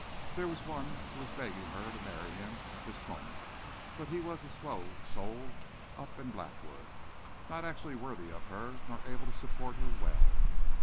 There was one who was begging her to marry him at this moment, but he was a slow soul up in Blackwood, not actually worthy of her nor able to support her well.